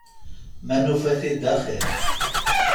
Ma nufa-t-id axiṛ.